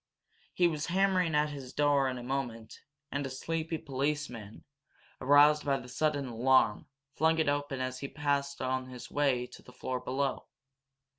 He was hammering at his door in a moment, and a sleepy policeman, aroused by the sudden alarm, flung it open as he passed on his way to the floor below.